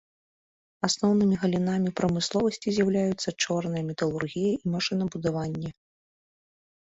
Асноўнымі галінамі прамысловасці з'яўляюцца чорная металургія і машынабудаванне.